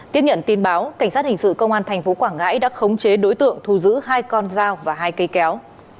tiếp nhận tin báo cảnh sát hình sự công an tp quảng ngãi đã khống chế đối tượng thu giữ hai con dao và hai cây kéo